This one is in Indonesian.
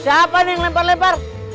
siapa yang lempar lempar